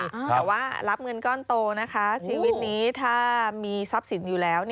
แต่ว่ารับเงินก้อนโตนะคะชีวิตนี้ถ้ามีทรัพย์สินอยู่แล้ว